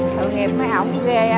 thực nghiệp mấy ông ghê á